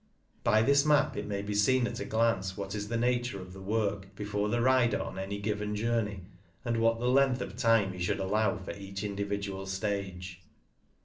By this map it may be seen at a glance what is the nature of the work before the rider on any given journey, and 248 CYCUNG IN THE ALPS what the length of time he should allow for each individual stage.